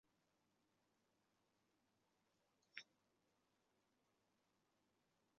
下面是所有这些福星电影的一个列表。